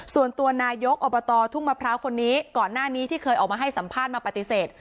ส่วนตัวนายกอบตทุ่งมะพร้าวคนนี้ก่อนหน้านี้ที่เคยออกมาให้สัมภาษณ์มาปฏิเสธ